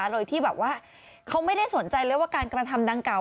โดยที่แบบว่าเขาไม่ได้สนใจเลยว่าการกระทำดังกล่า